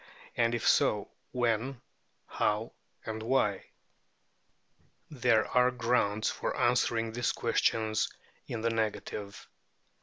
and if so, when, how, and why? There are grounds for answering these questions in the negative.